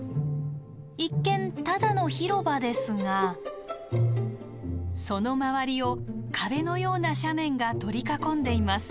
一見ただの広場ですがその周りを壁のような斜面が取り囲んでいます。